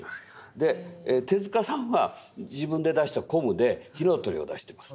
で手さんは自分で出した「ＣＯＭ」で「火の鳥」を出してます。